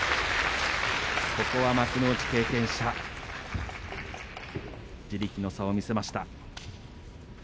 ここは幕内経験者地力の差を見せました。